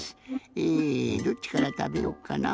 えどっちからたべよっかな。